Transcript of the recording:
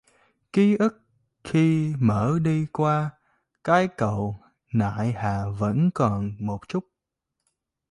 Ký ức khi mở đi qua cái cầu Nại Hà vẫn còn một chút